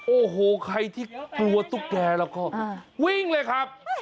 โอ้โหใครที่กลัวตุ๊กแกแล้วก็วิ่งเลยครับ